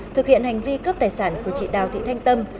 thực hiện hành vi cướp tài sản của chị đào thị thanh tâm